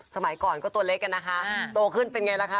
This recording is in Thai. สมัยก่อนก็ตัวเล็กอะนะคะโตขึ้นเป็นไงล่ะคะ